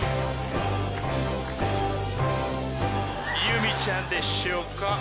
由美ちゃんでしょうか？